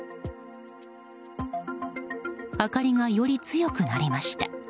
明かりがより強くなりました。